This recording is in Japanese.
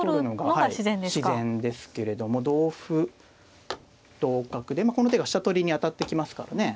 はい自然ですけれども同歩同角でまあこの手が飛車取りに当たってきますからね。